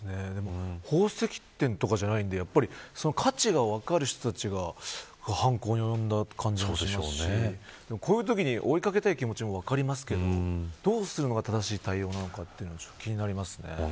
宝石店とかじゃないので価値が分かる人たちが犯行に及んだ感じもしますしこういうときに追い掛けたい気持ちも分かりますけどどうするのが正しい対応なのか気になりますね。